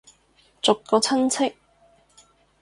逐個親戚